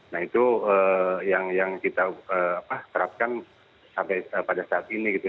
nah itu yang kita terapkan pada saat ini